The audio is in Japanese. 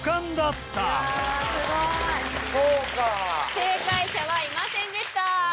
正解者はいませんでした。